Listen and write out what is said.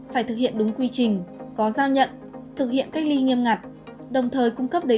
phải thực hiện đúng quy trình có giao nhận thực hiện cách ly nghiêm ngặt đồng thời cung cấp đến